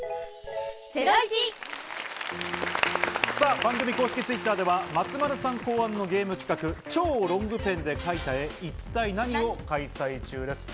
番組公式Ｔｗｉｔｔｅｒでは松丸さん考案のゲーム企画「超ロングペンで描いた絵一体ナニ！？」を開催中です。